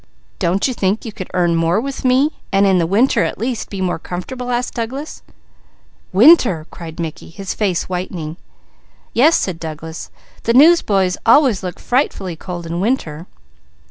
"Don't you think you could earn more with me, and in the winter at least, be more comfortable?" asked Douglas. "Winter!" cried Mickey, his face whitening. "Yes," said Douglas. "The newsboys always look frightfully cold in winter."